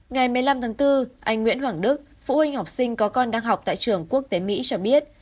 ngày một mươi năm tháng bốn anh nguyễn hoàng đức phụ huynh học sinh có con đang học tại trường quốc tế mỹ cho biết